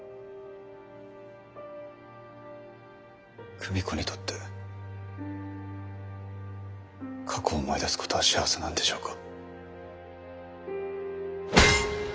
久美子にとって過去を思い出すことは幸せなんでしょうか。